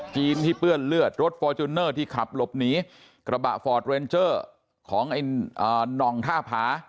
จีนที่เปื้อนเลือดรถฟอร์จูเนอร์ที่ขับหลบหนีกระบะฟอร์ดเรนเจอร์ของนองท่าผา